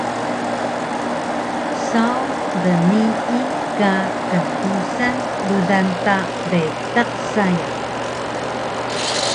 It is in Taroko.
Saw dnii ka kndusan rudan ta bitaq sayang